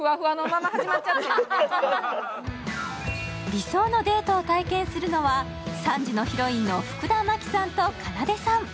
理想のデートを体験するのは３時のヒロインの福田さんとかなでさん。